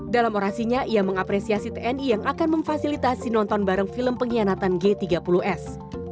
dalam orasinya ia mengapresiasi tni yang akan memfasilitasi nonton bareng film pengkhianatan g tiga puluh s